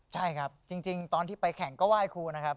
ใช่ครับจริงตอนที่ไปแข่งก็ไหว้ครูนะครับ